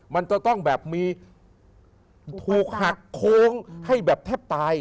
มันจะต้องแบบมีถูกหักโค้งให้แบบแทบตาย